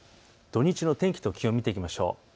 土日の天気と気温、見ていきましょう。